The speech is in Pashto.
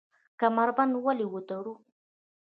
کمربند ولې وتړو؟